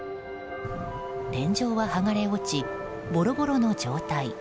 天井は剥がれ落ちボロボロの状態。